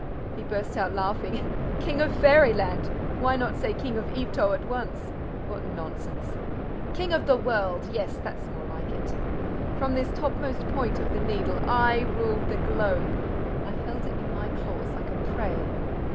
He burst out laughing. "King of fairyland! Why not say King of Yvetot at once? What nonsense! King of the world, yes, that's more like it! From this topmost point of the Needle, I ruled the globe! I held it in my claws like a prey!